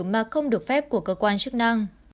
mà không được phép của cơ quan chức năng